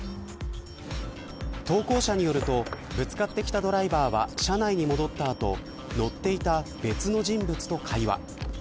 投稿者によるとぶつかってきたドライバーは車内に戻った後乗っていた別の人物と会話。